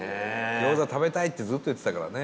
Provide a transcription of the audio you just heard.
餃子食べたいってずっと言ってたからね。